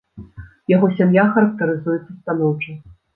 Яго сям'я характарызуецца станоўча.